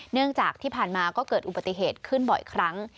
เนื่องจากที่ผ่านมาก็เกิดอุบัติเหตุขึ้นบ่อยครั้ง